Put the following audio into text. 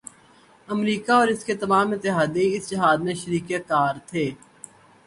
امریکہ اور اس کے تمام اتحادی اس جہاد میں شریک کار تھے۔